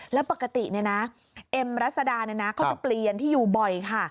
แล้วปกติเอ็มรัศดาเขาจะเปลี่ยนที่อยู่บ่อยค่ะ